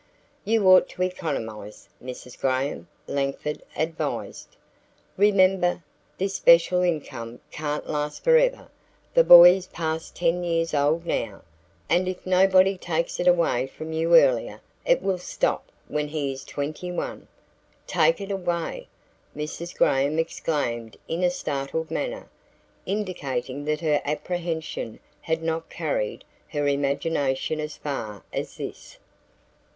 "You ought to economize, Mrs. Graham," Langford advised. "Remember, this special income can't last forever. The boy is past 10 years old now, and if nobody takes it away from you earlier, it will stop when he is 21." "Take it away!" Mrs. Graham exclaimed in a startled manner, indicating that her apprehension had not carried her imagination as far as this.